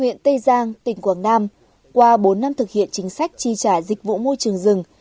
huyện tây giang tỉnh quảng nam qua bốn năm thực hiện chính sách tri trả dịch vụ môi trường rừng